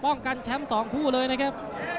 กันแชมป์๒คู่เลยนะครับ